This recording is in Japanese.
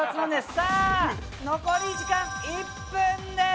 さぁ残り時間１分です！